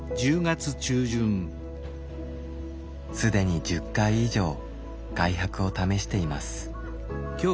既に１０回以上外泊を試しています。